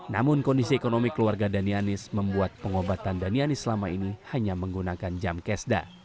namun kondisi ekonomi keluarga danianis membuat pengobatan danianis selama ini hanya menggunakan jam kesda